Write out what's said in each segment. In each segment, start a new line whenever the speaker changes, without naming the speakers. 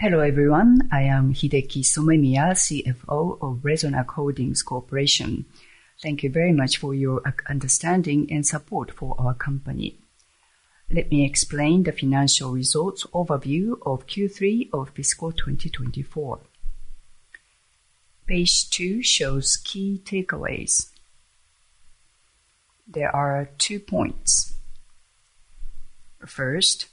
Hello everyone, I am Hideki Somemiya, CFO of Resonac Holdings Corporation. Thank you very much for your understanding and support for our company. Let me explain the financial results overview of Q3 of fiscal 2024. Page 2 shows key takeaways. There are two points. First,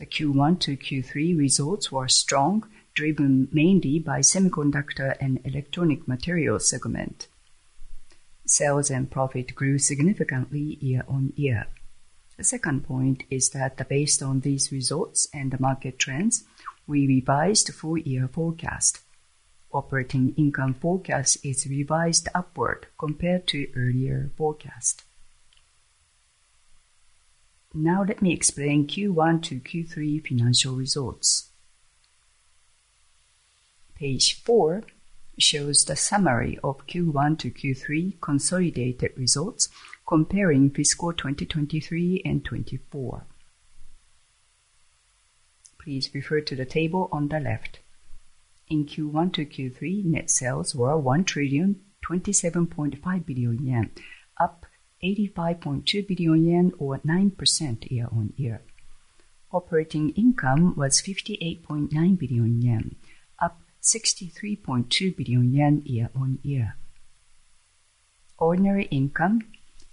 the Q1-Q3 results were strong, driven mainly by semiconductor and electronic materials segment. Sales and profit grew significantly year-on-year. The second point is that based on these results and the market trends, we revised the full-year forecast. Operating income forecast is revised upward compared to earlier forecast. Now let me explain Q1-Q3 financial results. Page 4 shows the summary of Q1-Q3 consolidated results, comparing fiscal 2023 and 2024. Please refer to the table on the left. In Q1-Q3, net sales were 1 trillion, 27.5 billion, up 85.2 billion yen, or 9% year-on-year. Operating income was 58.9 billion yen, up 63.2 billion yen year-on-year. Ordinary income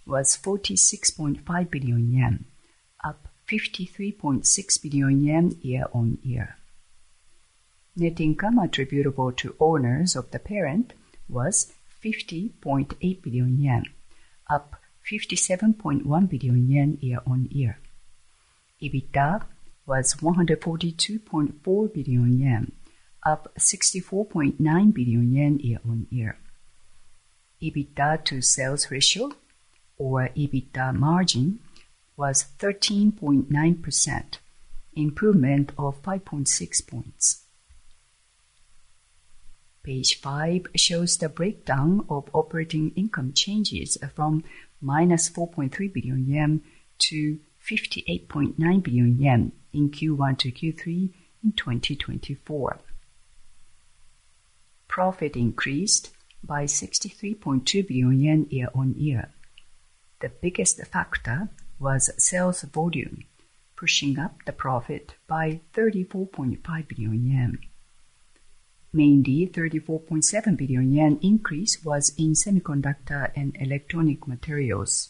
was 46.5 billion yen, up 53.6 billion yen year-on-year. Net income attributable to owners of the parent was 50.8 billion yen, up 57.1 billion year-on-year. EBITDA was 142.4 billion yen, up 64.9 billion yen year-on-year. EBITDA to sales ratio, or EBITDA margin, was 13.9%, improvement of 5.6 points. Page 5 shows the breakdown of operating income changes from 4.3 billion yen to 58.9 billion yen in Q1-Q3 in 2024. Profit increased by 63.2 billion yen year-on-year. The biggest factor was sales volume, pushing up the profit by 34.5 billion yen. Mainly, 34.7 billion yen increase was in semiconductor and electronic materials.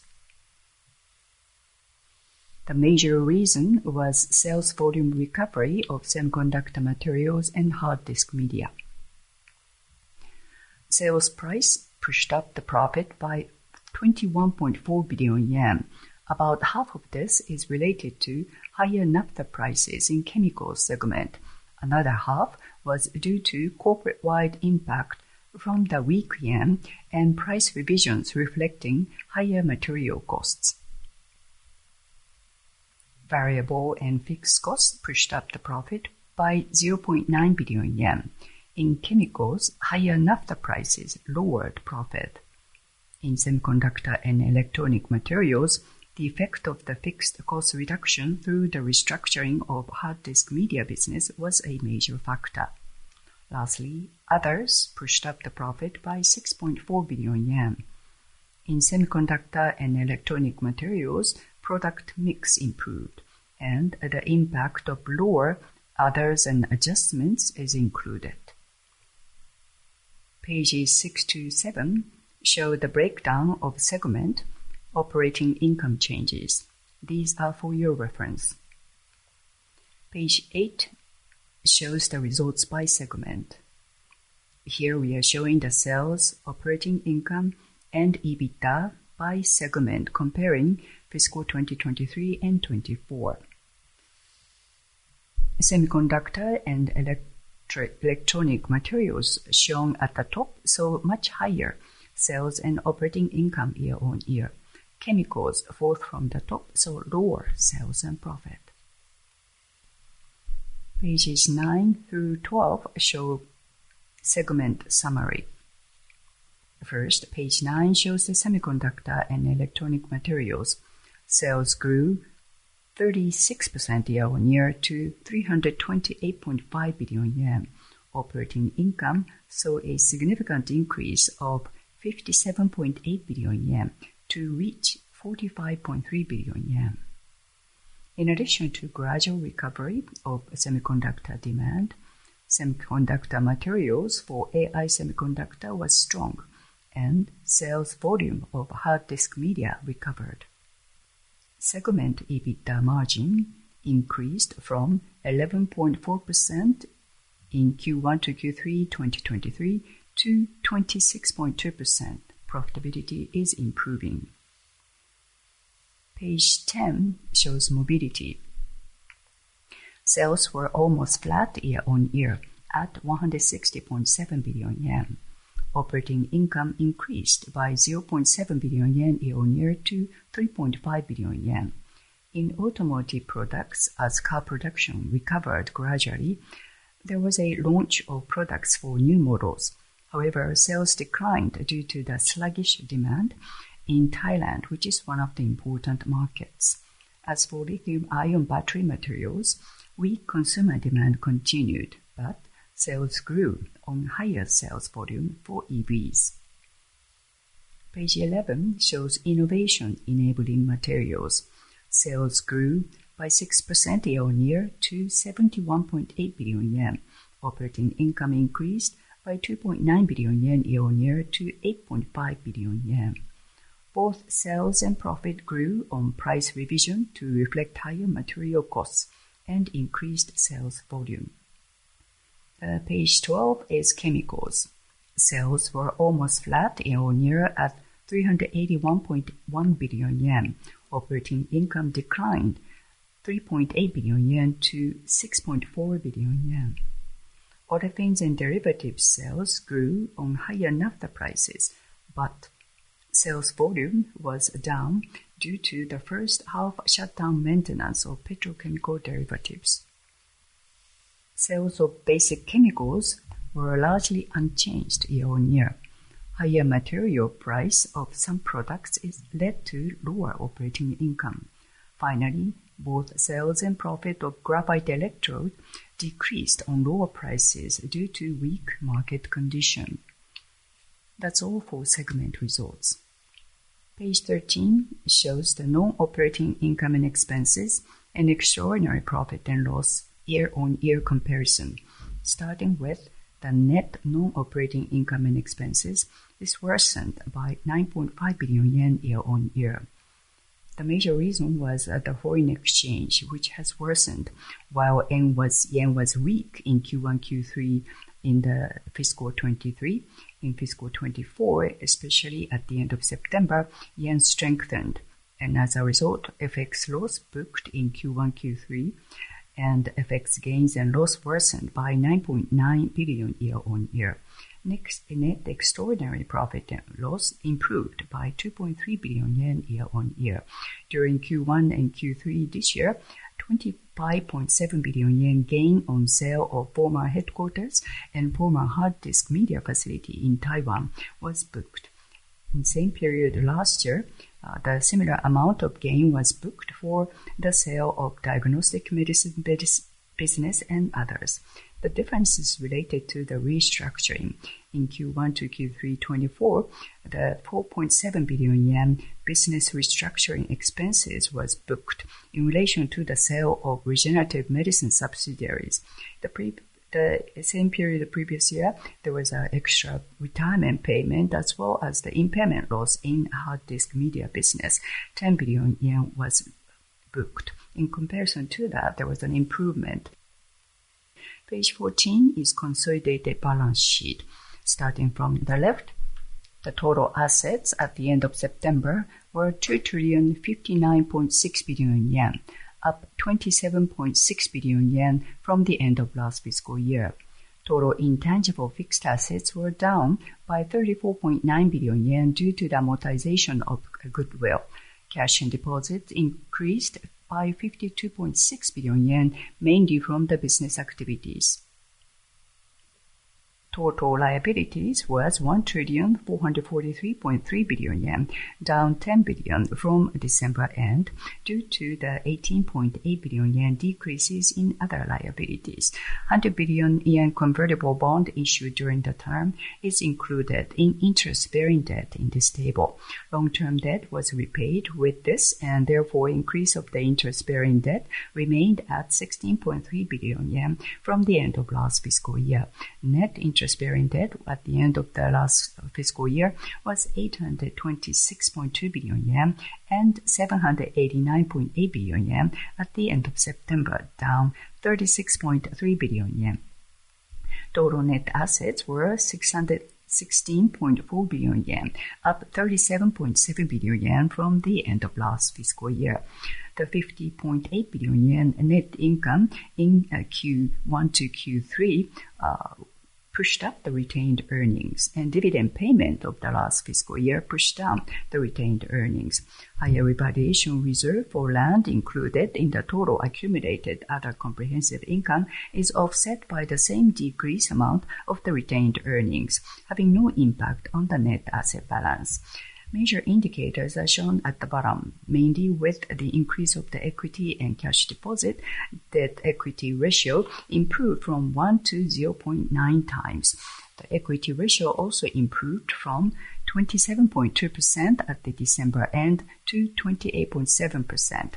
The major reason was sales volume recovery of semiconductor materials and hard disk media. Sales price pushed up the profit by 21.4 billion yen. About half of this is related to higher naphtha prices in the chemicals segment. Another half was due to corporate-wide impact from the weak yen and price revisions reflecting higher material costs. Variable and fixed costs pushed up the profit by 0.9 billion yen. In chemicals, higher naphtha prices lowered profit. In semiconductor and electronic materials, the effect of the fixed cost reduction through the restructuring of hard disk media business was a major factor. Lastly, others pushed up the profit by 6.4 billion yen. In semiconductor and electronic materials, product mix improved, and the impact of lower others and adjustments is included. Pages 6-7 show the breakdown of segment operating income changes. These are for your reference. Page 8 shows the results by segment. Here we are showing the sales, operating income, and EBITDA by segment, comparing fiscal 2023 and 2024. Semiconductor and electronic materials shown at the top show much higher sales and operating income year-on-year. Chemicals fall from the top, so lower sales and profit. Pages 9-12 show segment summary. First, page 9 shows the semiconductor and electronic materials. Sales grew 36% year-on-year to 328.5 billion yen. Operating income saw a significant increase of 57.8 billion yen to reach 45.3 billion yen. In addition to gradual recovery of semiconductor demand, semiconductor materials for AI semiconductor was strong, and sales volume of hard disk media recovered. Segment EBITDA margin increased from 11.4% in Q1-Q3 2023 to 26.2%. Profitability is improving. Page 10 shows mobility. Sales were almost flat year-on-year at 160.7 billion yen. Operating income increased by 0.7 billion yen year-on-year to 3.5 billion yen. In automotive products, as car production recovered gradually, there was a launch of products for new models. However, sales declined due to the sluggish demand in Thailand, which is one of the important markets. As for lithium-ion battery materials, weak consumer demand continued, but sales grew on higher sales volume for EVs. Page 11 shows innovation enabling materials. Sales grew by 6% year-on-year to 71.8 billion yen. Operating income increased by 2.9 billion yen year-on-year to 8.5 billion yen. Both sales and profit grew on price revision to reflect higher material costs and increased sales volume. Page 12 is chemicals. Sales were almost flat year-on-year at 381.1 billion yen. Operating income declined 3.8 billion-6.4 billion yen. Petrochemicals and derivatives sales grew on higher naphtha prices, but sales volume was down due to the first-half shutdown maintenance of petrochemical derivatives. Sales of basic chemicals were largely unchanged year-on-year. Higher material price of some products led to lower operating income. Finally, both sales and profit of graphite electrodes decreased on lower prices due to weak market condition. That's all for segment results. Page 13 shows the non-operating income and expenses and extraordinary profit and loss year-on-year comparison. Starting with the net non-operating income and expenses, this worsened by 9.5 billion yen year-on-year. The major reason was the foreign exchange, which has worsened. While yen was weak in Q1, Q3 in the fiscal 2023, in fiscal 2024, especially at the end of September, yen strengthened, and as a result, FX loss booked in Q1, Q3, and FX gains and loss worsened by 9.9 billion year-on-year. Next, net extraordinary profit and loss improved by 2.3 billion yen year-on-year. During Q1 and Q3 this year, 25.7 billion yen gain on sale of former headquarters and former hard disk media facility in Taiwan was booked. In the same period last year, the similar amount of gain was booked for the sale of diagnostic medicine business and others. The difference is related to the restructuring. In Q1-Q3 2024, the 4.7 billion yen business restructuring expenses was booked in relation to the sale of regenerative medicine subsidiaries. The same period the previous year, there was an extra retirement payment as well as the impairment loss in hard disk media business. 10 billion yen was booked. In comparison to that, there was an improvement. Page 14 is consolidated balance sheet. Starting from the left, the total assets at the end of September were 2 trillion, 59.6 billion yen, up 27.6 billion yen from the end of last fiscal year. Total intangible fixed assets were down by 34.9 billion yen due to the amortization of goodwill. Cash and deposits increased by 52.6 billion yen, mainly from the business activities. Total liabilities was 1 trillion, 443.3 billion yen, down 10 billion from December end due to the 18.8 billion yen decreases in other liabilities. 100 billion yen convertible bond issued during the term is included in interest-bearing debt in this table. Long-term debt was repaid with this, and therefore increase of the interest-bearing debt remained at 16.3 billion yen from the end of last fiscal year. Net interest-bearing debt at the end of the last fiscal year was 826.2 billion yen and 789.8 billion yen at the end of September, down 36.3 billion yen. Total net assets were 616.4 billion yen, up 37.7 billion yen from the end of last fiscal year. The 50.8 billion yen net income in Q1-Q3 pushed up the retained earnings, and dividend payment of the last fiscal year pushed down the retained earnings. Higher revaluation reserve for land included in the total accumulated other comprehensive income is offset by the same decrease amount of the retained earnings, having no impact on the net asset balance. Major indicators are shown at the bottom, mainly with the increase of the equity and net debt-to-equity ratio improved from one to 0.9x. The equity ratio also improved from 27.2% at the December end to 28.7%.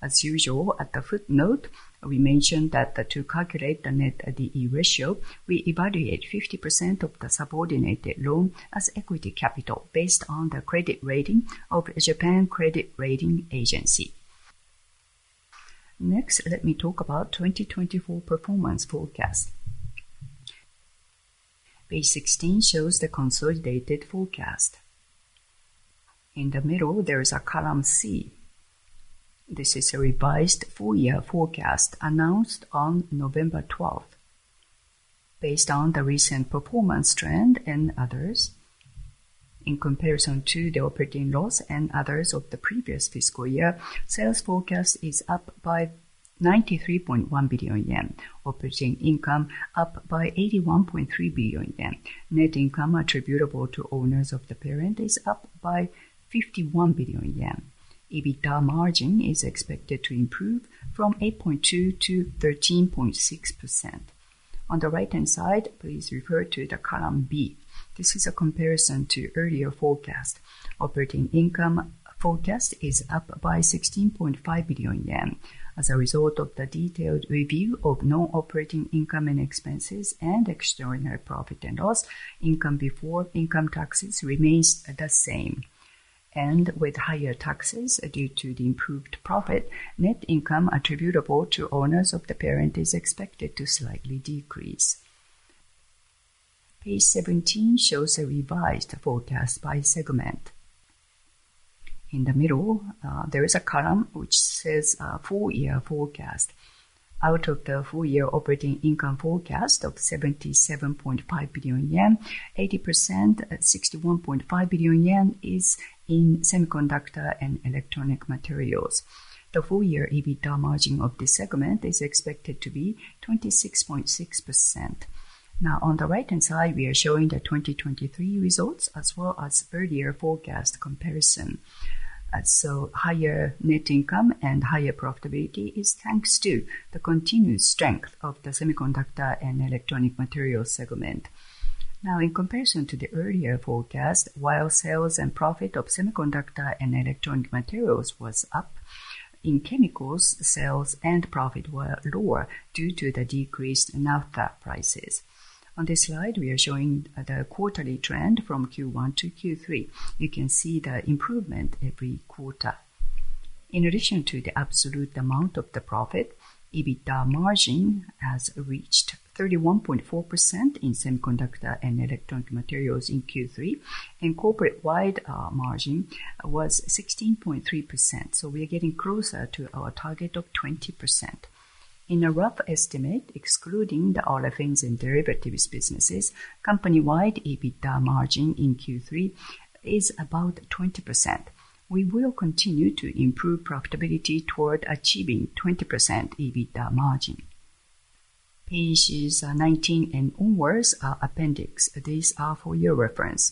As usual, at the footnote, we mentioned that to calculate the net DE ratio, we evaluate 50% of the subordinated loan as equity capital based on the credit rating of Japan Credit Rating Agency. Next, let me talk about 2024 performance forecast. Page 16 shows the consolidated forecast. In the middle, there is a column C. This is a revised full-year forecast announced on November 12th. Based on the recent performance trend and others, in comparison to the operating loss and others of the previous fiscal year, sales forecast is up by 93.1 billion yen, operating income up by 81.3 billion yen. Net income attributable to owners of the parent is up by 51 billion yen. EBITDA margin is expected to improve from 8.2%-13.6%. On the right-hand side, please refer to the column B. This is a comparison to earlier forecast. Operating income forecast is up by 16.5 billion yen. As a result of the detailed review of non-operating income and expenses and extraordinary profit and loss, income before income taxes remains the same. And with higher taxes due to the improved profit, net income attributable to owners of the parent is expected to slightly decrease. Page 17 shows a revised forecast by segment. In the middle, there is a column which says four-year forecast. Out of the four-year operating income forecast of 77.5 billion yen, 80%, 61.5 billion yen is in semiconductor and electronic materials. The four-year EBITDA margin of this segment is expected to be 26.6%. Now, on the right-hand side, we are showing the 2023 results as well as earlier forecast comparison. Higher net income and higher profitability is thanks to the continued strength of the semiconductor and electronic materials segment. In comparison to the earlier forecast, while sales and profit of semiconductor and electronic materials was up, in chemicals, sales and profit were lower due to the decreased naphtha prices. On this slide, we are showing the quarterly trend from Q1-Q3. You can see the improvement every quarter. In addition to the absolute amount of the profit, EBITDA margin has reached 31.4% in semiconductor and electronic materials in Q3, and corporate-wide margin was 16.3%. So we are getting closer to our target of 20%. In a rough estimate, excluding the other things and derivatives businesses, company-wide EBITDA margin in Q3 is about 20%. We will continue to improve profitability toward achieving 20% EBITDA margin. Pages 19 and onward are appendix. These are for your reference.